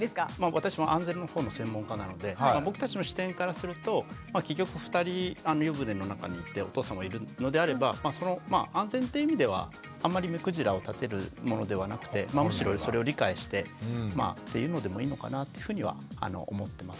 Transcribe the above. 私も安全のほうの専門家なので僕たちの視点からすると結局２人湯船の中にいてお父さんもいるのであれば安全っていう意味ではあんまり目くじらを立てるものではなくてむしろそれを理解してっていうのでもいいのかなっていうふうには思ってます。